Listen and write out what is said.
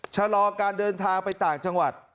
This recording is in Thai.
ชะลอการเดินทางไปต่างจังหวัด